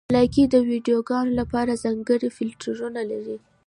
لایکي د ویډیوګانو لپاره ځانګړي فېلټرونه لري.